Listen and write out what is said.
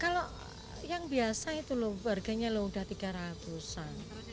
kalau yang biasa itu loh harganya loh udah tiga ratus an